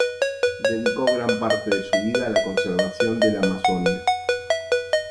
Dedicó gran parte de su vida a la conservación de la Amazonia.